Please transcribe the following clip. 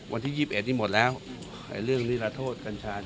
วันที่๒๑นี่หมดแล้วเรื่องนิรโทษกัญชา